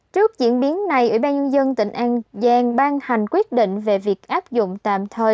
trước diễn biến này ủy ban nhân dân tỉnh an giang ban hành quyết định về việc áp dụng tạm thời